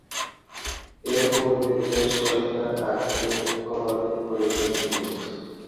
এরপূর্বে বেশ কয়েকবার আঘাতের কবলে পড়েছিলেন তিনি।